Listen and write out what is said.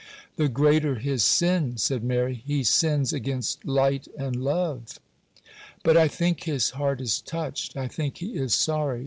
'The greater his sin,' said Mary; 'he sins against light and love.' 'But I think his heart is touched,—I think he is sorry.